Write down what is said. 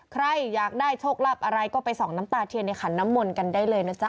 ใครอยากได้โชคลาภอะไรก็ไปส่องน้ำตาเทียนในขันน้ำมนต์กันได้เลยนะจ๊ะ